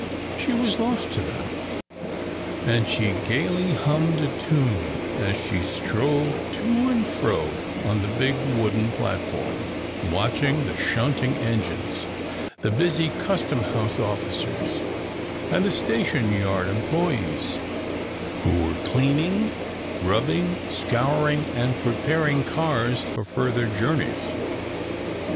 She was lost to them, and she gaily hummed a tune as she strolled to and fro on the big wooden platform, watching the shunting engines, the busy custom house officers, and the station yard employees, who were cleaning, rubbing, scouring, and preparing cars for further journeys.